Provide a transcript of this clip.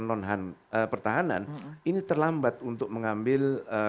non pertahanan ini terlambat untuk mengambil